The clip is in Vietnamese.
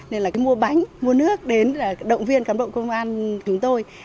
nên là mua bánh mua nước để động viên cán bộ công an chúng tôi